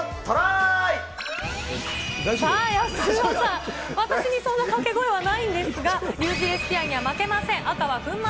さあ、安村さん、私にそんな掛け声はないんですが、安村君のおしゃべりには負けません。